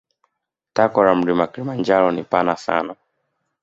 Tako la mlima kilimanjaro ni pana sana